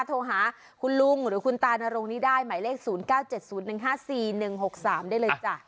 โทรหาคุณลุงหรือคุณตานรงนี้ได้หมายเลข๐๙๗๐๑๕๔๑๖๓ได้เลยจ้ะ